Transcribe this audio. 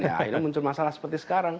akhirnya muncul masalah seperti sekarang